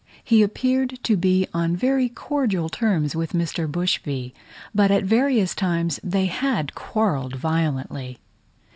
He appeared to be on very cordial terms with Mr. Bushby; but at various times they had quarrelled violently.